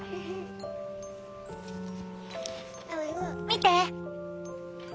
見て。